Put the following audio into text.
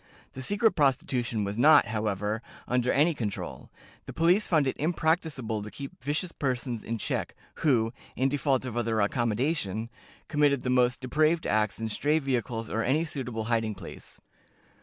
The secret prostitution was not, however, under any control. The police found it impracticable to keep vicious persons in check, who (in default of other accommodation) committed the most depraved acts in stray vehicles or any suitable hiding place."